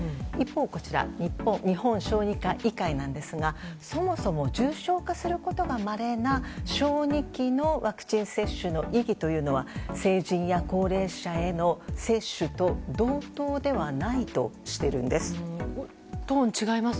一方、日本小児科医会なんですがそもそも重症化することがまれな小児期のワクチン接種の意義というのは成人や高齢者への接種と同等ではないとしているんです。